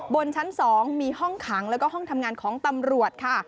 บนชั้น๒มีห้องขังแล้วก็ห้องทำงานของตำรวจค่ะ